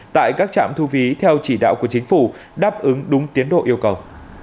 tại các trạm thu phí theo chỉ đạo của chính phủ đáp ứng đúng tiến độ yêu cầu